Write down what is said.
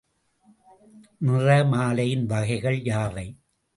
நிறமாலையின் வகைகள் யாவை?